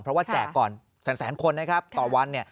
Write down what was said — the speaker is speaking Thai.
เพราะว่าแจกก่อนแสนคนนะครับต่อวันเนี่ย